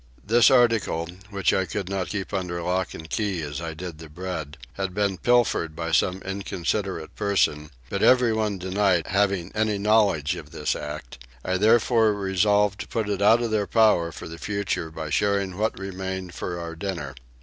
This article, which I could not keep under lock and key as I did the bread, had been pilfered by some inconsiderate person, but everyone denied having any knowledge of this act; I therefore resolved to put it out of their power for the future by sharing what remained for our dinner.